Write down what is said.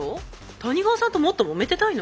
谷川さんともっともめてたいの？